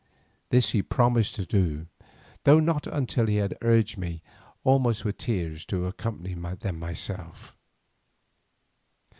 This he promised to do, though not until he had urged me almost with tears to accompany them myself.